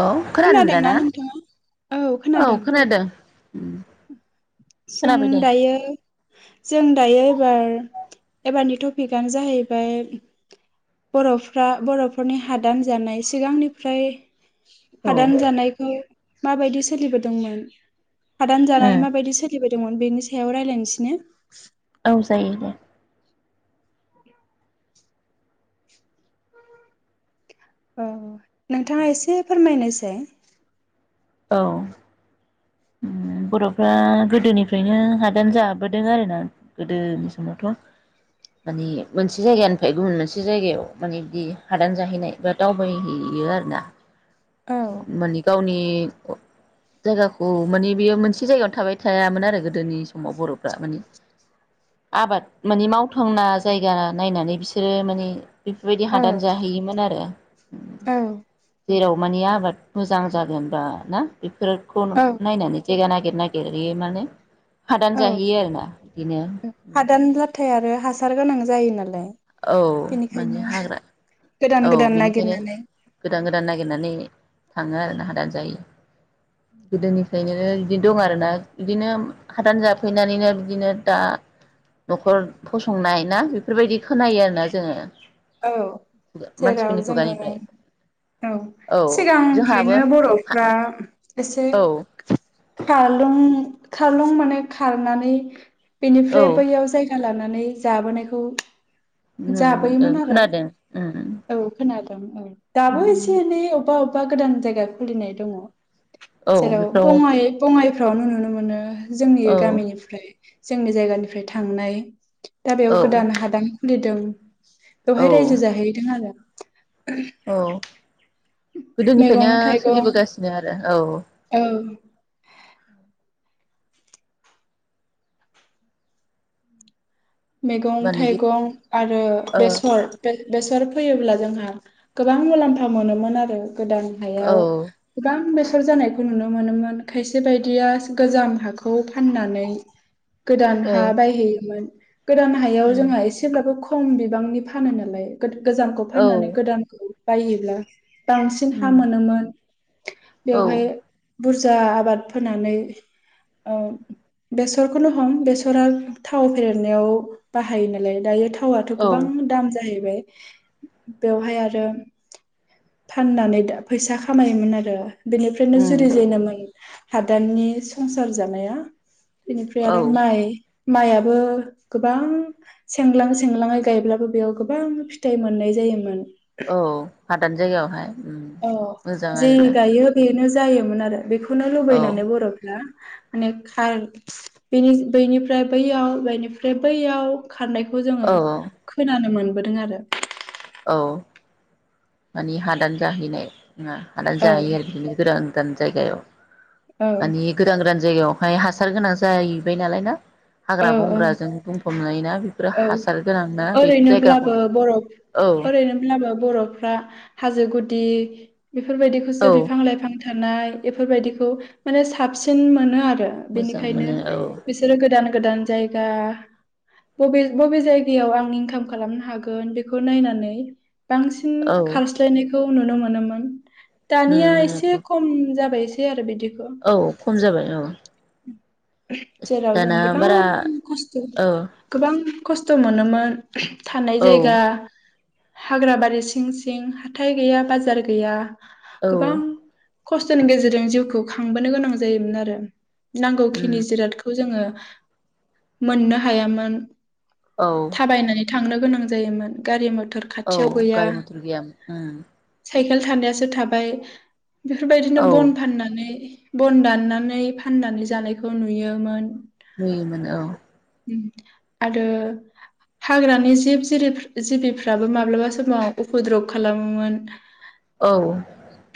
औ खोनादों दा खोनादोंना ना? नोंथाङा? औ खोनादों। जों खोनाबाय दे दायो जों दायो एबार एबारनि टपिकआनो जाहैबाय बर'फ्रा बरफोरनि हादान जानाय सिगांनिफ्राय औ हादान जानायखौ माबायदि सोलिबोदोंमोन? हादान जानानै उम माबायदिसो बोदोंमोन बेनि सायाव रायज्लायनसै ना औ जायो दे। ओं नोंथाङा एसे फोरमायनायसाय औ बरफ्रा गोदोनिफ्रायनो हादान जाबोदों आरोना गोदोनि समावथ माने मोनसे जायगानिफ्राय गुबुन मोनसे जायगायाव माने बि हादान जाहैनाय बा दावबायहैयो आरोना। औ मानि गावनि जायगाखौ माने बेयो मोनसे जायगायावनो थाबाय थायामोन आरो गोदोनि समाव बर'फ्रा माने आबाद माने मावथावना जायगा नायनानै बिसोरो माने बेफोरबायदि औ हादान जाहैयोमोन आरो औ जेराव माने आबाद मोजां जागोन बा ना बे बेफोरखौ औ नायनानै जायगा नागिर नागिर माने हादान औ जाहैयो आरोना बिदिनो हादान लाथाय आरो हासार गोनां जायो नालाय। औ माने बेनिखायनो हाग्रा गोदान औ गोदान बिनिखायनो नागिरनानै गोदान गोदान नागिरनानै थाङो आरो ना हादान जायो गोदोनिफ्रायनो बिदि दं आरोना बिदिनो हादान जाफैनानैनो बिदिनो दा नखर फसंनाय ना बेफोरबायदि खोनायो आरोना जोङो। औ जेराव मानसिफोरनि जोङो खुगानिफ्राय औ जोंहाबो सिगांनिफ्रायनो बर'फ्रा एसे औ खारलुं खारलुं माने खारनानै औ बेनिफ्राय बैयाव जाय गा लानानै जाबोनायखौ नुनो मोनदों। जाबोयोमोन आरो खोनादों औ खोनादों औ दाबो एसे एनै अबा बबेबा गोदान जायगा खुलिनाय दङ औ जेराव बेफ्राव औ बङाइ बङाइ फ्रावनो नुनो मोनो जोंनि गामिनिफ्राय जोंनि जायगानिफ्राय थांनाय दा बेयाव औ गोदान हादान खुलिदों। औ बेवहाय रायजो जाहैदों आरो औ मैगं गोदोनिफ्रायनो थाइगं सोलिबोगासिनो आरो औ औ औ मैगं माने बे थाइगं आरो ओ बेसर बेसर फैयोब्ला जोंहा गोबां मुलाम्फा मोनोमोन आरो गोदान औ हायाव गोबां बेसेन हर जानायखौ नुनो मोनोमोन खायसे बायदिया गोजाम हाखौ फाननानै गोदान ओ हा बायहैयोमोन। गोदान हायाव जोंहा उम एसेब्लाबो ख खम बिबांनि फानो नालाय गोजामखौ औ फाननानै गोदानखौ बायहैब्ला बांसिन हा उम मोनोमोन औ बेवहाय बुरजा आबाद फोनानै ओ बेसरखौनो हम बेसरा थाव फेरनायाव बाहायो नालाय दायो थावाथ' औ गोबां दाम जाहैबाय। बेवहाय आरो फाननानै फैसा खामायोमोन आरो। बेनिफ्रायनो उम जुरिजेनोमोन हादाननि संसार जानाया बेनिफ्राय औ आरो माइ माइयाबो गोबां सेंलां सेंलाङै गायब्लाबो बेयाव गोबां फिथाइ मोननाय जायोमोन। औ हादान जायगायाव हाय अ जे गायो बेनो जायोमोन आरो बेखौनो औ लुबैनानै बर' फ्ला माने खार बेनि बैनिफ्राय बैयाव बेनिफ्राय बैयाव खारनायखौ जोङो औ खोनानो मोन बोदों आरो औ मानि हादान जाहैनाय आा औ जाहाय आरोांं [unintelligible] जायगायाव औ मानि गोदान गोदान जायगायाव ओमफ्राय हासार गोनां जाहैबाय नालाय ना औ हाग्रा औ बंग्राजों बुंफब जायोना बेफोरो औ हासार गोनां ना बेफोर जायगाखौ ओरैनोब्लाबो बर' औ ओरैनोब्लाबो बर'फ्रा हाजो गुदि औ बेफोरबायदिखौसो बिफां लाइफां थानाय बेफोर बायदिखौ माने साबसिन मोनो आरो। मोजां बेनिखायनो मोनो औ बिसोरो गोदान गोदान जायगा बबे बबे जायगायाव आं इनकाम खालामनो हागोन बेखौ नायनानै बांसिन औ खारस्लायनायखौ खौ नुनो मोनोमोन। नुनो दानिया मोनो एसे औ खम जाबाय। सै आरो बिदि औ खम जाबाय औ जेराव जों दाना गोबां बारा खस्थ' औ गोबां खसथ मोनो मोन थानाय औ जायगा हाग्रा बारि सिं सिं हाथाय गैया बाजार गैया औ गोबां खस्थ'नि गेजेरजों जिउखौ खांबोनो गोनां जायोमोन आरो उम जिखिनि जिरादखौ जोङो मोननो हायामोन। औ थाबायनानै थांनो गोनां जायोमोन गारि म औ गारि मथर गैयामोन। साइकेल थानायासो थाबाय बेफोरबायदिनो औ बन फाननानै बन दाननानै फाननानै जानाय खौ नुयोमोन नुयोमोन औ। उम आरो हाग्रानि जिब जिरि जिबिफ्राबो माब्लाबा समाव उपद्रब खालामोमोन औ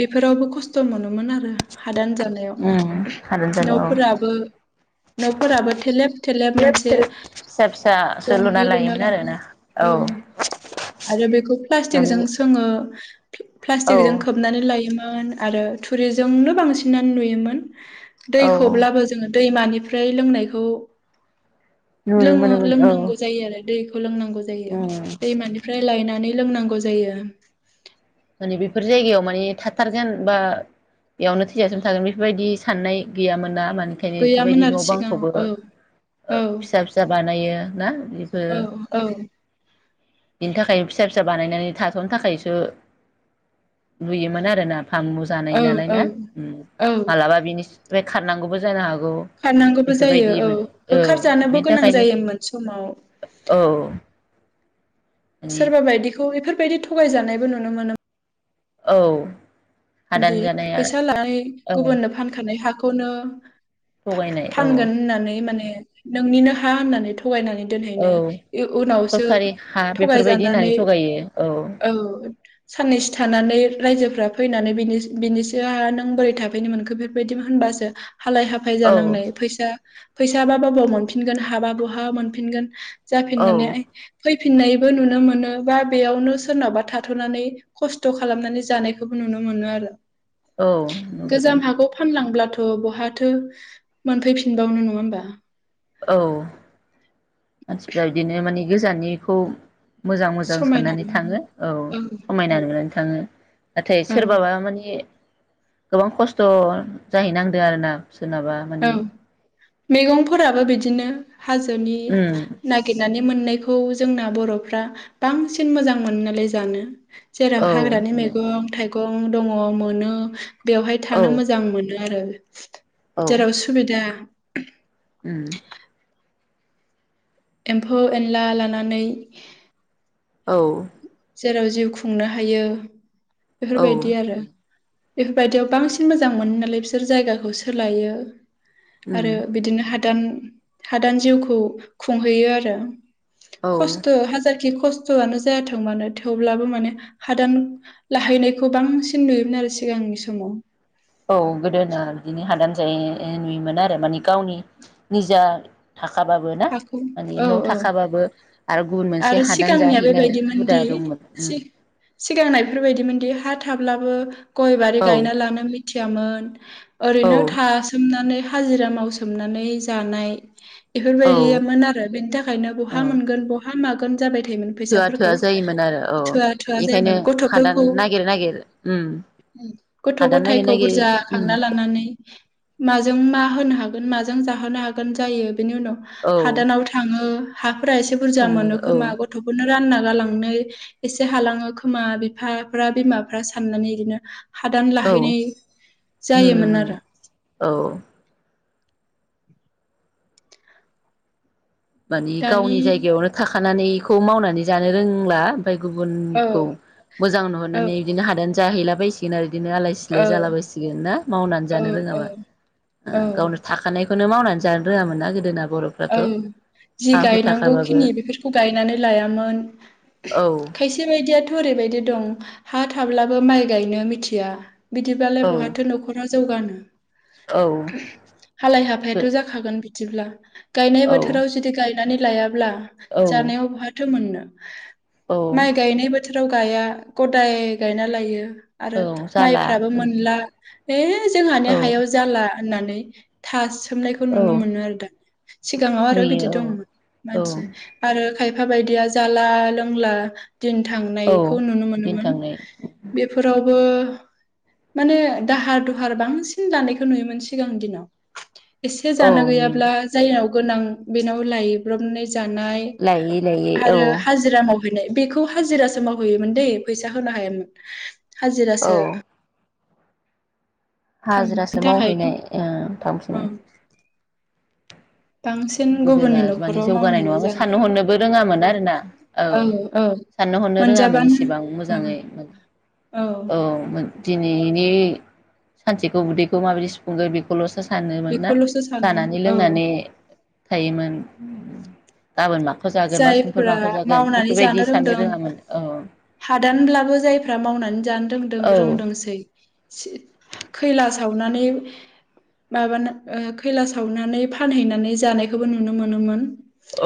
बेफोरावबो खस्थ' खस्थ' मोनोमोन आरो हादान जानायाव ओम हादान जानाय औ न'फोराबो न'फोराबो थेलेब थेलेब मोनसे फिसा फिसासो गंनै लुना लायोमोन लानो आरोना औ आरो बेखौ मानि प्लास्टिकजों सोंङो प्लास्टिकजों औ खोबनानै लायोमोन होन आरो थुरिजोंनो बांसिनानो नुयोमोन। औ दैखौब्लाबो दैमानिफ्राय लोंनायखौ नुनो लोङो मोनोमोन औ लोंनांगौ जायो आरो। दैखौ लोंनांगौ खौजायो उम दैमानिफ्राय लायनानै लोंनांगौ जायो। माने बेफोर जायगायाव माने थाथारगोन बा बेयावनो थैजासिम थागोन बेफोरबायदि साननाय गैयामोन ना मानि निखायनो गैयामोन बेफोरबायदि आरो न' सिगाङाव बांखौबो औ ओ औ फिसा फिसा बानायो ना बेफोर औ औ बिनि थाखाय फिसा फिसा बानायनानै थाथ'नो थाखायसो नुयोमोन आरो ना फामु जानाय औ नालाय औ ना औ मालाबा बेनि बे खारनांगौबो जानो हागौ। खारनांगौबो जायो बेफोरबायदि औ माने औ होखारजानोबो बेनि गोनां थाखायनो जायोमोन समाव औ माने सोरबा बायदिखौ बेफोर बेफोरबायदि थगायजानायबो नुनो मोनो औ दि हादान जानाया फैसा लानाय औ गुबुननो फानखानाय हाखौ खौनो थगायनाय औ फानगोन होननानै माने नोंनिनो हा होननानै थ' थगायनानै औ दोनहैनाय उनावसो सरखारि हा बेफोरबायदि होननानै थगायानानै थगायो औ साननैसो थानानै रायजोफ्रा फै नानै बिनि बिनिसो नों बोरै थाफैनो मोनखो बेफोरबायदि होनबासो हालाय हाफाय औ जानांनाय फैसा फैसाबा बबाव मोनफिनगोन हाबा बहा मोनफिनगोन औ जाफिननानैहाय फै फिननायबो नुनो मोनो बा बेयावनो सोरनावबा थाथ'नानै खस्थ' खालामनानै जानायखौबो नुनो मोनो आरो औ नुबोदों गोजाम हाखौव फानलांब्लाथ' थ बहाथो मोनफैफिनबावनो नङा होमबा? औ मानसिफ्रि बिदिनो मानि गोजाननिखौ मोजां मोजां समायना साननानै थाङो औ औ समायना नुनानै थाङो नाथाय सोरबाबा माने गोबां खस्थ जाहैनांदों आरोना सोरोनाबा औ माने मैगंफोराबो बिदिनो हाजोनि उम नागिरनानै मोननायखौ जोंना बरफ्रा बांसिन मोजां मोनो नालाय जानो। औ जेराव हाग्रानि मैगं थाइगं गं दङ मोनो। बेवहाय औ थानो मोजां मोनो आरो [inaudible] औ जेराव सुबिदा उम एम्फौ एनला लानानै औ जेराव जिउ खुंनो हायो। औ बेफोरबायदि आरो बेफोरबायदियाव बांसिन मोजां मोनो नालाय बिसोर जायगाखौ सोलायो। उम आरो बिदिनो हादान हादान जिउखौ खुंहैयो आरो। औ खस्त हाजार खि खस्थआनो जाया थोंमानो थेवब्लाबो माने हादान लाहैनायखौ बांसिन नुयोमोन आरो सिगांनि समाव। औ गोदोना बिदिनो हादान जायो ओ नुयोमोन आरो माने गावनि निजा थाखाबाबो ना हाखौ माने औ न' औ थाखाबाबो आरो गुबुन मोनसे आरो हादान सिगांनिया जाहैनाय हुदा बेबायदिमोनदि दंमोन उम सि-सिगांना बेफोरबायदिमोनदि हा थाब्लाबो गय बारि औ गायना लानो मिथियामोन [inaudible] औ ओरैनो थासोमनानै हाजिरा मावसोमनानै जानाय, औ बेफोरबायदियामोन आरो बेनि थाखायनो औ बहा मोनगोन बहा मान मागोन जाबाय थायोन थोआ फैसाफोरखौ थोआ जायोमोन आरो औ थोआ थोआ बेनिखायनो जायोमोन हादान गथ'फोरखौ नागिर नागिर उम हादान नागिर गथ'गथाइखौ नागिर बुरजा उम खांना लानानै माजों मा होनो हागोन माजों जाहोनो हागोन जायो बेनि उनाव औ हादानाव थाङो। हा फोरा एसे बुरजा थाङो मोनो औ खोमा गथफोरनो रानना गालांनो एसे हालाङो खोमा बिफाफ्रा बिमाफ्रा साननानै इरिदिनो हादान औ लाहैनाय नुनो जायोमोन मोनो आरो। औ मानि दानि गावनि जायगायावनो थाखा खानानैखौ मावनानै जानो रोंला, फाय औ गुबुनखौ मोजां औ नुहरनानै बिदिनो हादान जाहैलाबायसिगोन आरो बिदिनो आलाय औ सिलाय जाला बायसिगोन ना मावनानै औ जानो रोङाबा औ औ गावनो ओ थाखानाय खोनो मावनानै जानो रोङामोना गोदोना औ बर'फोराथ' जि गायनांगौ खिनि बेफोरखौ गायनानै लायामोन, हा हु खायसे बायदियाथ' ओरै बायदि दं हा थाब्लाबो माइ गायनो मिथिया, बिदिब्लालाय थाखाबाबो औ बहाथो न'खरा जौगानो हालाय हाफायाथ जाखागोन जेब्ला गायनाय औ बोथोराव जुदि गाय नानै लाया अब्ला औ जानायाव बहाथो मोननो औ [inaudible] माइ गायनाय बाथ गाया गदाय गायना लायो आरो औ जाला माइफ्राबो मोनला है जोंहानि औ हायाव जाला होननानै थास सोमनायखौ औ नुनो मोनो आरो दा सिगाङाव आरो बिदि नुयो दंमोन औ मानसि आरो खायफा बायदिया जाला लोंला दिन औ थांनायखौ नुनो दिन मोनोमोन थांनाय बेफोराव माने दाहार दुहार बांसिन दानायखौ नुयोमोन सिगांनि दिनाव एसे औ जानो नुयोमोन गैयाब्ला गोनां बेनाव लायब्रबनाय जानाय लायै लायै औ आरो हाजिरा मावनाय हैनाय बेखौ हाजिरासो मावहैयोमोन दैे फैसा होनो हायामोन। औ हाजिरासो थांनो हाजिरासो थाखायनो मावहैनाय ओ थांफिनो। ओं बांसिन गोदोना गुबुननि माने न'खराव जौगानाय मावनानै नङामोन साननो जानाय हनोबो रोङामोन आरोना औ साननो हनो रोङामोन मोनजाबानो इसेबां औ मोजाङै औ दिनैनि सानसेखौ उदैखौ माबायदि सुफुंगोन बेखौल' सानोमोन ना बेखौल'सो सानोमोन जानानै औ लोंनानै थायोमोन गाबोन मा माखौ जागोन बा समफोर जायफ्रा माखौ जागोन मावनानै बेफोरबायदि जानो साननो रोंदों रोङामोन औ। हादानब्लाबो जायफ्रा मावनानै जानो रोंदों औ रोंदोंसै खैला सावनानै माबाना खैला सावनानै फानहैनानै जानायखौबो नुनो मोनोमोन।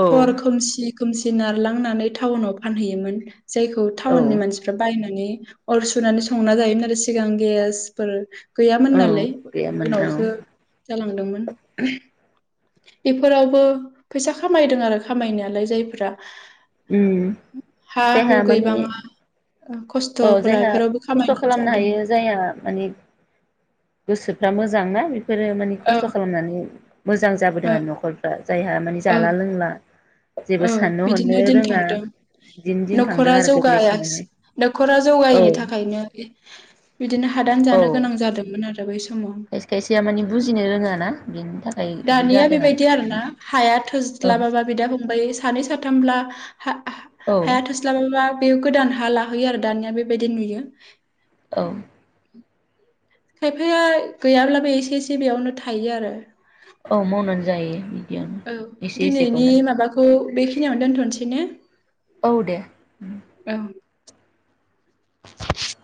औ हर खोमसि खोमसि नारलांनानै टाउनाव फानहैयोमोन जायखौ औ टाउननि मानसिफ्रा बायनानै अर सुनानै संना जायोमोन आरो सिगां गेसफोर गैयामोन औ नालाय गैयामोन औ उनावसो जालांदोंमोन [unintelligible] बेफोरावबो फैसा खामायदों आरो खामायनायालाय जायफ्रा उ देहाया मानि गैबाङा औ खस्थ'फोरा जायहा बेफोरावबो खस्थ' खामायनानै खालामनो जादों हायो जायहा माने गोसो दा मोजां ना? फोरो मानि औ खस्थ' खालामनानै मोजां जाबोदों औ आरो न'खरफ्रा जायहा माने औ जाला लोंला जेबो औ साननो हनो बिदिनो दिन रोङा थांदों बिदिनो दिन थांदों न'खरा आरो गोग्लैसोनानै। जौगायाखि नख'रा औ जौगायैनि थाखायनो बिदिनो हादान औ जानो गोनां जादोंमोन। आरो बै समाव खायसे खायसेया माने बुजिनो रोङाना। [inaudible] दानिया बेबायदि आरोना हाया औ थोस्लाबाबा बिदा फंबाइ सानै साथामब्ला। हा औ हाया थोस्लाबाबा। बे गोदान हा लाहैयो आरो दानिया बेबायदि नुयो। औ। खायफाया गैयाब्लाबो एसे एसे बेयावनो थायो आरो। औ मावनानै जायो। बिदियावनो औ एसे दिनैनि एसेखौनो माबाखौ बेखिनियावनो दोनथ'नोसै ने? औ दे। औ